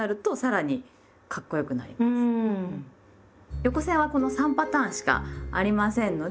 横線はこの３パターンしかありませんので。